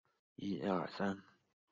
西汉帝王郊祀之礼沿袭秦代。